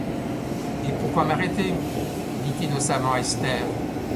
Et pourquoi m’arrêter? dit innocemment Esther.